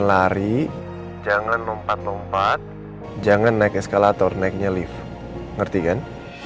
lari jangan lompat lompat jangan naik eskalator naiknya lift ngerti kan